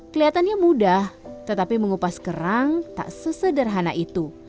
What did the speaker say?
kelihatannya mudah tetapi mengupas kerang tak sesederhana itu